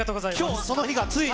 きょう、その日がついに？